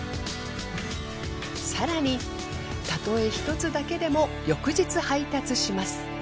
更にたとえ１つだけでも翌日配達します。